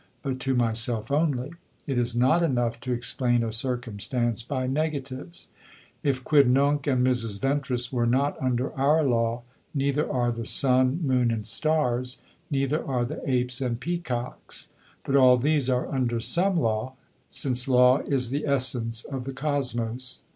But to myself only. It is not enough to explain a circumstance by negatives. If Quidnunc and Mrs. Ventris were not under our law, neither are the sun, moon and stars, neither are the apes and peacocks. But all these are under some law, since law is the essence of the Kosmos.